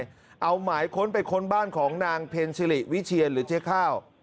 เอาหมายค้นไปค้นบ้านของนางเพ็ญซิริวิเชียนหรือเจ๊ข้าว